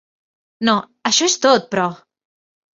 No, això es tot, però!